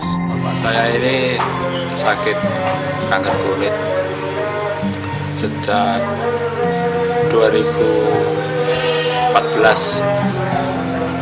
selama saya ini sakit kanker kulit sejak dua ribu empat belas